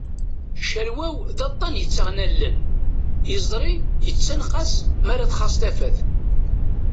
Calwaw d aṭan yettaɣen allen, iẓri yettanqas m'ara txaṣ tafat.